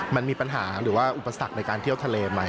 มันมีปัญหาหรือว่าอุปสรรคในการเที่ยวทะเลไหม